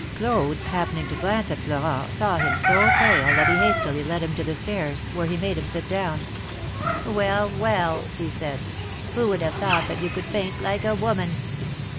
Claude, happening to glance at Florent, saw him so pale that he hastily led him to the stairs, where he made him sit down. Well ! well ! he said, who would have thought that you could faint like a woman